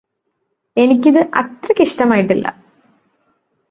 എനിക്കിത് അത്രക്ക് ഇഷ്ടമായിട്ടില്ലാ